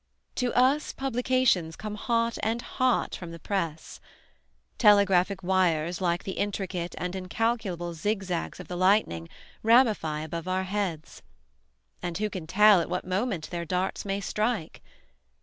To us, publications come hot and hot from the press. Telegraphic wires like the intricate and incalculable zigzags of the lightning ramify above our heads; and who can tell at what moment their darts may strike?